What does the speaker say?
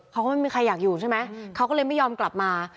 เขาก็ไม่มีใครอยากอยู่ใช่ไหมเขาก็เลยไม่ยอมกลับมา